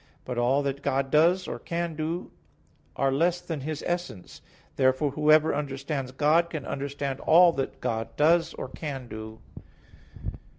But all that God does, or can do, are less than His essence. Therefore whoever understands God, can understand all that God does, or can do.